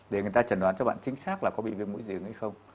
để người ta chẩn đoán cho bạn chính xác là có bị viêm mũi dị ứng hay không